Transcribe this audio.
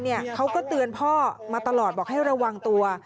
เขาก็เตือนพ่อมาตลอดบอกให้ระวังตัว